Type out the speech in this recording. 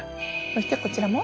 そしてこちらも？